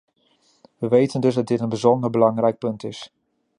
We weten dus dat dit een bijzonder belangrijk punt is.